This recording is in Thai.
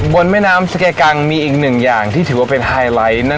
บนแม่น้ำสเกกังมีอีกหนึ่งอย่างที่ถือว่าเป็นไฮไลท์นั่น